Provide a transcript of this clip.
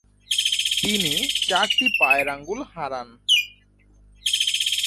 তিনি চারটি পায়ের আঙ্গুল হারান।